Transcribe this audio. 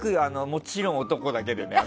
もちろん男だけでね。